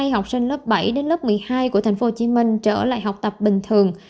hai học sinh lớp bảy đến lớp một mươi hai của tp hcm trở lại học tập bình thường